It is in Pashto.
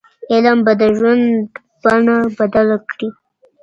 علم به د ژوند بڼه بدله کړي.